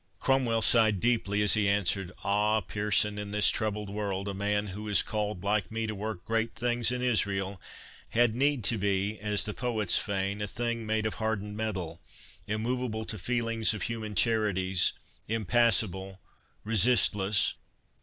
Cromwell sighed deeply as he answered, "Ah, Pearson, in this troubled world, a man, who is called like me to work great things in Israel, had need to be, as the poets feign, a thing made of hardened metal, immovable to feelings of human charities, impassible, resistless.